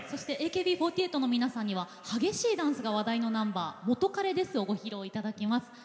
ＡＫＢ４８の皆さんには激しいダンスが話題のナンバー「元カレです」をご披露いただきます。